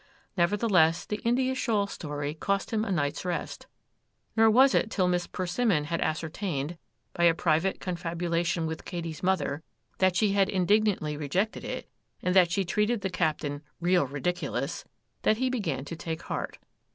Nevertheless, the India shawl story cost him a night's rest; nor was it till Miss Persimmon had ascertained, by a private confabulation with Katy's mother, that she had indignantly rejected it, and that she treated the captain 'real ridiculous,' that he began to take heart.